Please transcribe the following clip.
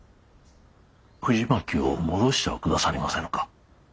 藤巻を戻してはくださりませぬか。